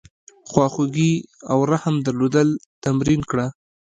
د خواخوږۍ او رحم درلودل تمرین کړه.